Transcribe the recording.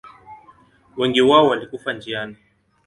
Wengi wao walikufa njiani.